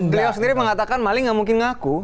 beliau sendiri mengatakan maling gak mungkin ngaku